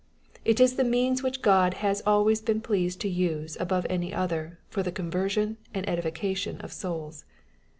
It is the means which God has always been pleased to use above any other, for the conversion and edification of souls.